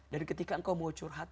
ketika engkau mau curhat